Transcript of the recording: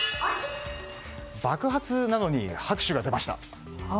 爆発なのに拍手が出ました。